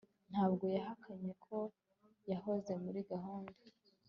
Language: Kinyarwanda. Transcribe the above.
ntabwo yahakanye ko yahoze muri gahunda